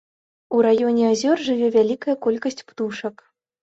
У раёне азёр жыве вялікая колькасць птушак.